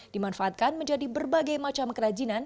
dimanfaatkan menjadi berbagai macam kerajinan